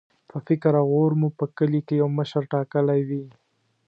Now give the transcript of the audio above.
په فکر او غور مو په کلي کې یو مشر ټاکلی وي.